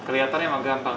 keliatannya mah gampang